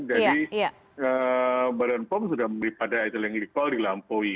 jadi badan pom sudah memberi pada eteleng glycol dilampaui